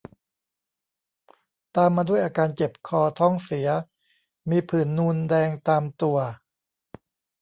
ตามมาด้วยอาการเจ็บคอ ท้องเสีย มีผื่นนูนแดงตามตัว